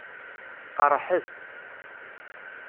Qeṛṛḥet.